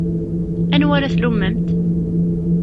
Anwa ara tlummemt?